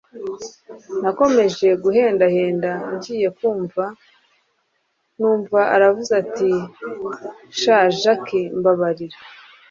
nakomeje guhendahenda, ngiye kumva numva aravuze ati sha jack, mababarira